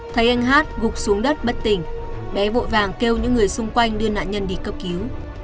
thấy anh hát gục xuống đất bất tình bé vội vàng kêu những người xung quanh đưa nạn nhân đi cấp cứu